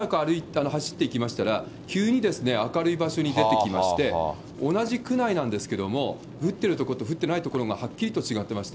ただ、その道をしばらく走っていきましたら、急に明るい場所に出てきまして、同じ区内なんですけれども、降ってる所と降ってない所がはっきりと違っていました。